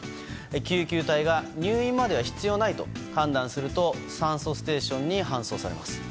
救急隊が入院までは必要ないと判断すると酸素ステーションに搬送されます。